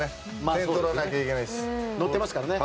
点を取らなきゃいけないです。